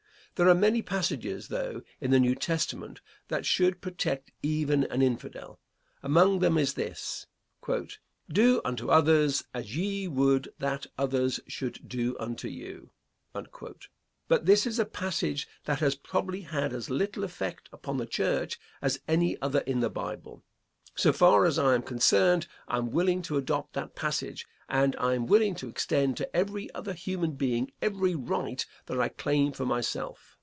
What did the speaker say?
There are many passages, though, in the New Testament, that should protect even an Infidel. Among them is this: "Do unto others as ye would that others should do unto you." But that is a passage that has probably had as little effect upon the church as any other in the Bible. So far as I am concerned, I am willing to adopt that passage, and I am willing to extend to every other human being every right that I claim for myself.